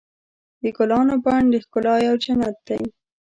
د ګلانو بڼ د ښکلا یو جنت دی.